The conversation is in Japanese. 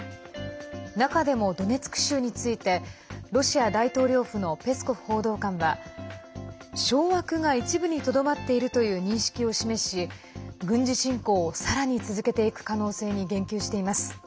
中でもドネツク州についてロシア大統領府のペスコフ報道官は掌握が一部にとどまっているという認識を示し軍事侵攻をさらに続けていく可能性に言及しています。